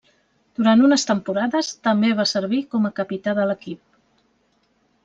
Durant unes temporades, també va servir com a capità de l'equip.